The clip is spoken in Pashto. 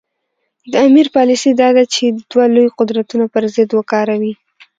د امیر پالیسي دا ده چې دوه لوی قدرتونه پر ضد وکاروي.